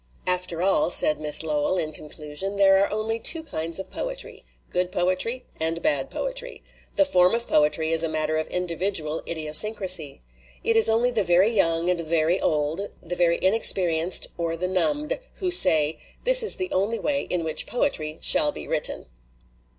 "After all," said Miss Lowell, in conclusion, "there are only two kinds of poetry, good poetry and bad poetry. The form of poetry is a matter of individual idiosyncrasy. It is only the very young and the very old, the very inexperienced or the numbed, who say, 'This is the only way in which poetry shall be written!'"